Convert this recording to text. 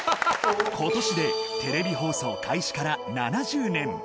ことしでテレビ放送開始から７０年。